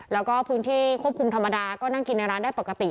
แล้วก็พื้นที่ควบคุมธรรมดาก็นั่งกินในร้านได้ปกติ